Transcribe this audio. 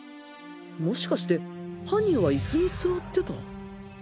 もしかして犯人はイスに座ってた？